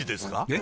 え？